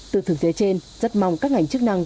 từ thực tế trên rất mong các ngành chức năng